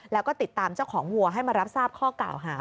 แล้วก็ติดตามเจ้าของวัวให้มารับทราบข้อกล่าวหา